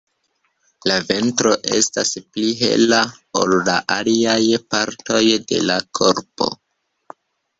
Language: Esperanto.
La ventro estas pli hela ol la aliaj partoj de la korpo.